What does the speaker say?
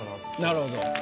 なるほど。